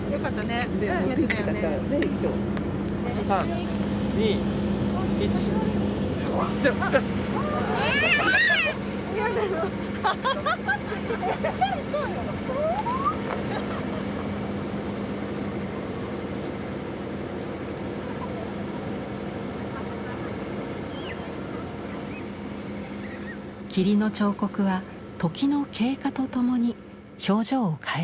「霧の彫刻」は時の経過とともに表情を変えていきます。